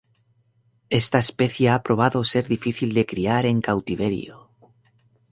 Esta especie ha probado ser difícil de criar en cautiverio.